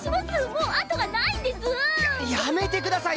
もうあとがないんですー！ややめてください！